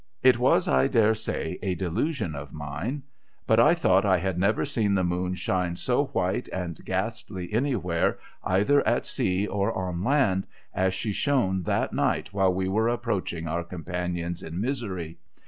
It was, I dare say, a delusion of mine; but I thought I had never seen the moon shine so white and ghastly anywhere, either at sea or on land, as she shone that night while we were approaching our companions in misery.